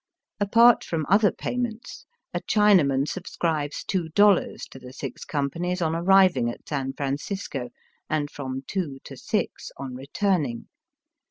Apart from other payments, a Chinaman subscribes two dollars to the Six Companies on arriving at San Francisco, and from two to six on returning.